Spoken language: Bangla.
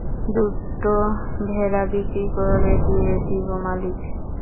দুটো ভেড়া বিক্রি করে দিয়ে দিব মালিক।